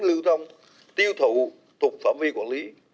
lưu thông tiêu thụ thuộc phạm vi quản lí